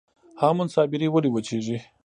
هامون صابري ولې وچیږي؟